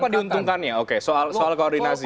apa diuntungkannya oke soal koordinasi